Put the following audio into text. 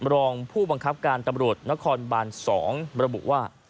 รองผู้บังคับการตำรวจนครบาน๒ระบุว่า